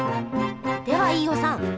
では飯尾さん